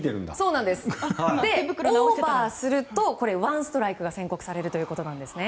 オーバーするとワンストライクが宣告されるということです。